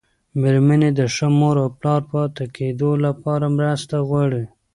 مېرمنې د ښه مور او پلار پاتې کېدو لپاره مرسته غواړي.